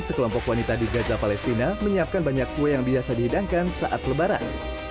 sekelompok wanita di gaza palestina menyiapkan banyak kue yang biasa dihidangkan saat lebaran